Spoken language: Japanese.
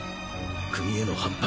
国への反発！